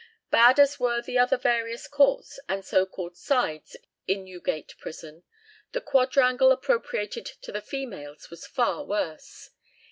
Bad as were the other various courts and so called "sides" in Newgate prison, the quadrangle appropriated to the females was far worse.